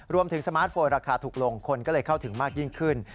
สมาร์ทโฟนราคาถูกลงคนก็เลยเข้าถึงมากยิ่งขึ้น